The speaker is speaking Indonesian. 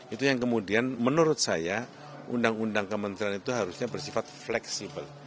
itu yang kemudian menurut saya undang undang kementerian itu harusnya bersifat fleksibel